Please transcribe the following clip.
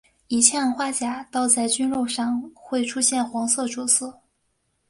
以氢氧化钾倒在菌肉上会出现黄色着色。